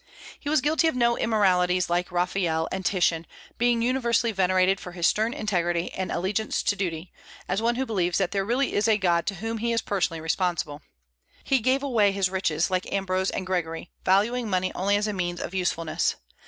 He was guilty of no immoralities like Raphael and Titian, being universally venerated for his stern integrity and allegiance to duty, as one who believes that there really is a God to whom he is personally responsible. He gave away his riches, like Ambrose and Gregory, valuing money only as a means of usefulness.